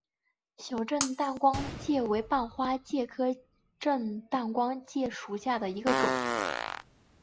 小震旦光介为半花介科震旦光介属下的一个种。